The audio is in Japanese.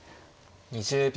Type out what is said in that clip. ２０秒。